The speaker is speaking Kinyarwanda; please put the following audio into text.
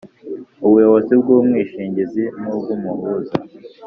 Ubuyobozi bw umwishingizi n ubw umuhuza